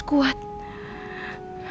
kuat dan putri harus balas dendam